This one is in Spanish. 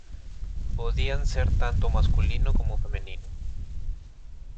Podían ser tanto masculino como femenino.